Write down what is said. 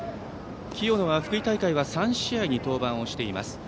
清野は、福井大会は３試合に登板をしています。